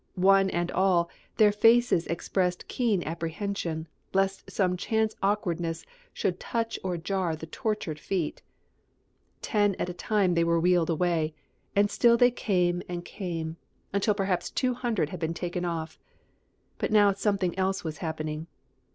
One and all, their faces expressed keen apprehension, lest some chance awkwardness should touch or jar the tortured feet. Ten at a time they were wheeled away. And still they came and came, until perhaps two hundred had been taken off. But now something else was happening.